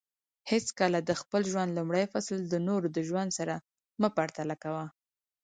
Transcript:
حیڅکله د خپل ژوند لومړی فصل د نورو د ژوند سره مه پرتله کوه